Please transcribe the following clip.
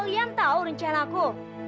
kalian tau rencanaku